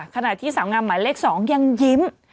ขณะที่สาวงามหมายเลข๒ยังยิ้ม